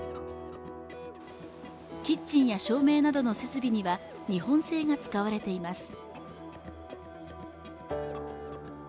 キッチンや照明などの設備には日本製が使われています